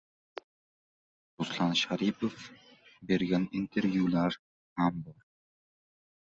Ruslan Sharipov bergan intervyular ham bor.